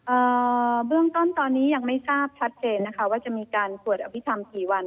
เอ่อเบื้องต้นตอนนี้ยังไม่ทราบชัดเจนนะคะว่าจะมีการสวดอภิษฐรรมกี่วัน